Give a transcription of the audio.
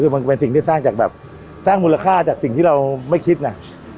คือมันเป็นสิ่งที่สร้างจากแบบสร้างมูลค่าจากสิ่งที่เราไม่คิดนะ